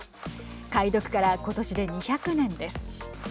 解読から今年で２００年です。